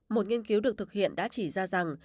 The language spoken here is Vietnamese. một nghiên cứu được thực hiện đã chỉ ra rằng